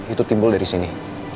itu timbul dari sini